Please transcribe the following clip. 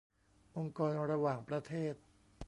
องค์กรระหว่างประเทศ